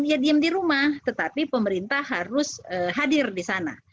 dia diem di rumah tetapi pemerintah harus hadir di sana